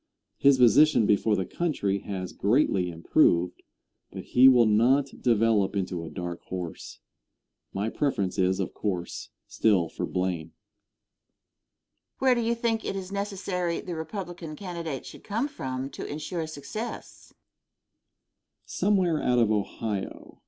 His position before the country has greatly improved, but he will not develop into a dark horse. My preference is, of course, still for Blaine. Question. Where do you think it is necessary the Republican candidate should come from to insure success? Answer. Somewhere out of Ohio.